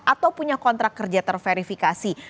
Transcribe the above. atau punya kontrak kerja terverifikasi